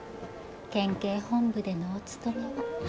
県警本部でのお勤めは。